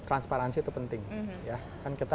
transparansi itu penting ya kan kita